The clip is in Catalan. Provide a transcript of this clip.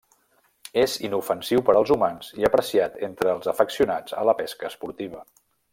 És inofensiu per als humans i apreciat entre els afeccionats a la pesca esportiva.